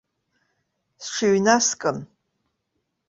Сҽыҩнаскын.